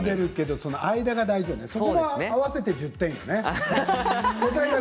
そこが合わせて１０点よね。